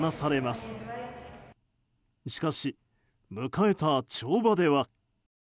しかし、迎えた跳馬では。